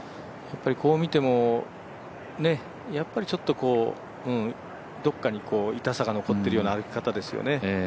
こう見てもやっぱりどこかに痛さが残っているような歩き方ですよね。